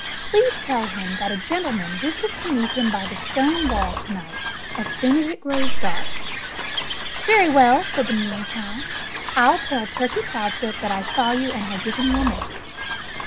"Please tell him that a gentleman wishes to meet him by the stone wall to night, as soon as it grows dark." "Very well!" said the Muley Cow. "I'll tell Turkey Proudfoot that I saw you and I'll give him your message."